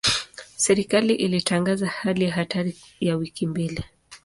Serikali ilitangaza hali ya hatari ya wiki mbili.